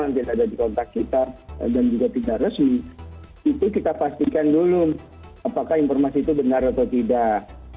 yang ada di kontak kita dan juga tidak resmi itu kita pastikan dulu apakah informasi itu benar atau tidak